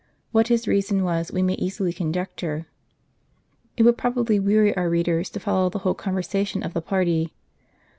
What his reason was we may easily conjecture. It would probably weary our readers to follow the whole conversation of the party.